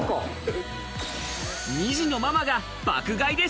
２児のママが爆買いで